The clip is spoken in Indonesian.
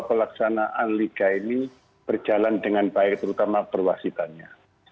pelaksanaan liga ini berjalan dengan baik terutama perwasitannya